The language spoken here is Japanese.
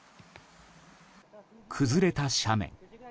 崩れた斜面。